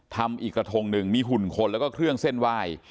ทำอีกกระทงหนึ่งมีหุ่นคนแล้วก็เครื่องเส้นไหว้